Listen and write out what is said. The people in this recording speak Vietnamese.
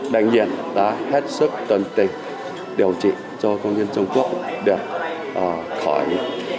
bệnh viện đã hết sức tận tình điều trị cho công nhân trung quốc được khỏi